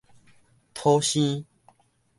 土生